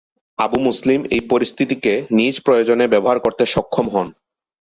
Abu Muslim এই পরিস্থিতিকে নিজ প্রয়োজনে ব্যবহার করতে সক্ষম হন।